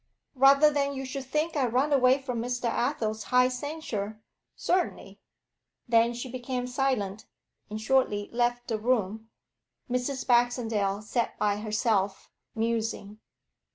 'Rather than you should think I run away from Mr. Athel's high censure certainly.' Then she became silent, and shortly left the room. Mrs. Baxendale sat by herself musing.